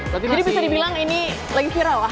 jadi bisa dibilang ini lagi viral lah